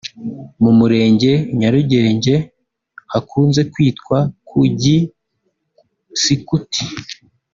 mu murenge Nyarugenge hakunze kwitwa ku Gisikuti